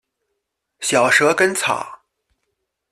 小蛇根草